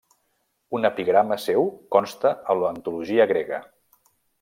Un epigrama seu consta a l'antologia grega.